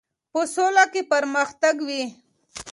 په سوله کې پرمختګ وي.